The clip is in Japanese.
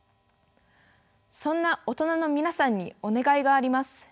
そんな大人の皆さんにお願いがあります。